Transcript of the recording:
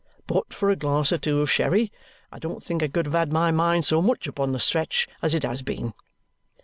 But for a glass or two of sherry, I don't think I could have had my mind so much upon the stretch as it has been.